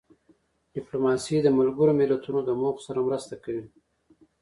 ډیپلوماسي د ملګرو ملتونو د موخو سره مرسته کوي.